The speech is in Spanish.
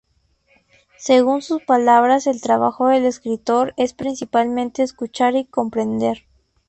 Según sus palabras el trabajo del escritor es principalmente escuchar y comprender.